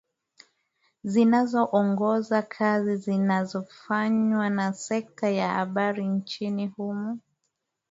zinazoongoza kazi zinazofanywa na sekta ya habari nchini humo